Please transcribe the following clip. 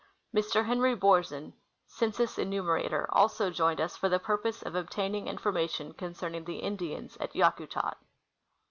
Mr. Henry Boursin, census enumerator, also joined us for the purpose of obtaining information concerning the Indians at Yakutak.